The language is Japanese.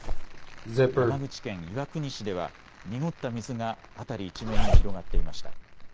山口県岩国市では濁った水が辺り一面に広がっていました。